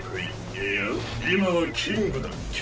いや今はキングだっけ？